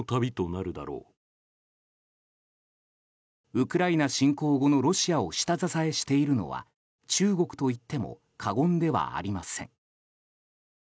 ウクライナ侵攻後のロシアを下支えしているのは中国といっても過言ではありません。